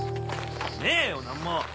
ねえよ何も！